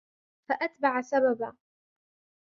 فأتبع سببا